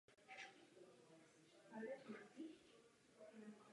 Počítá se také s otevřením kavárny.